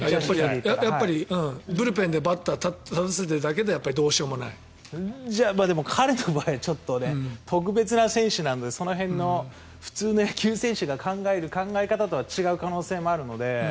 やっぱりブルペンでバッターを立たせているだけでは彼の場合はちょっとね特別な選手なのでその辺の普通の野球選手が考える考え方とは違う可能性もあるので。